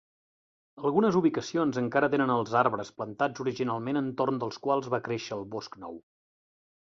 Algunes ubicacions encara tenen els arbres plantats originalment entorn dels quals va créixer el bosc nou.